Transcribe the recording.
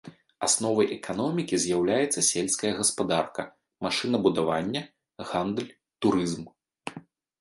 Асновай эканомікі з'яўляецца сельская гаспадарка, машынабудаванне, гандаль, турызм.